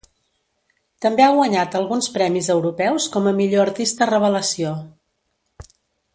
També ha guanyat alguns premis europeus com a millor artista revelació.